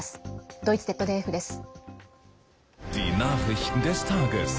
ドイツＺＤＦです。